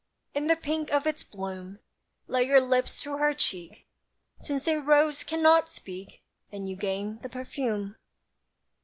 In the pink of its bloom, Lay your lips to her cheek; Since a rose cannot speak, And you gain the perfume.